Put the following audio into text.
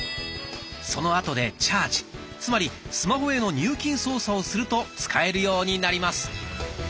そのあとでチャージつまりスマホへの入金操作をすると使えるようになります。